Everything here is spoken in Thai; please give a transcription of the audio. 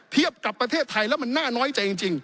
กับประเทศไทยแล้วมันน่าน้อยใจจริง